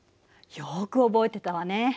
よく覚えてたわね。